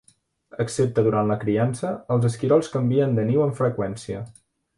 Excepte durant la criança, els esquirols canvien de niu amb freqüència.